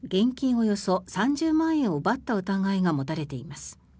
およそ３０万円を奪った疑いが持たれています。